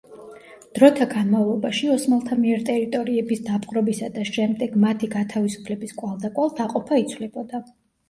დროთა განმავლობაში, ოსმალთა მიერ ტერიტორიების დაპყრობისა და შემდეგ მათი გათავისუფლების კვალდაკვალ, დაყოფა იცვლებოდა.